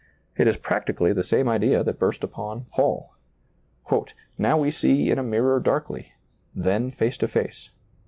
It is practicaliy the same idea that burst upon Paul. " Now we see in a mirror, darkly ; then face to face.